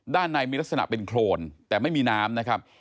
ด้านในมีลักษณะเป็นโครนแต่ไม่มีน้ำนะครับ